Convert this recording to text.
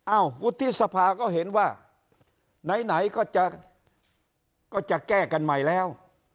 อ้าววุฒิษภาก็เห็นว่าไหนก็จะแก้กันใหม่แล้ว